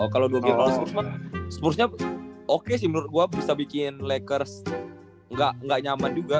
kalo dua game lawan spurt spurtnya oke sih menurut gua bisa bikin lakers ga nyaman juga